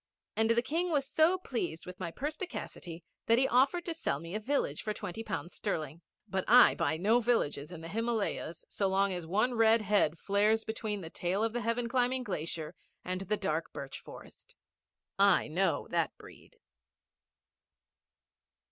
And the King was so pleased with my perspicacity that he offered to sell me a village for twenty pounds sterling. But I buy no villages in the Himalayas so long as one red head flares between the tail of the heaven climbing glacier and the dark birch forest. I know that breed.